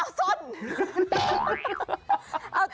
เพราะคุณเอาส้น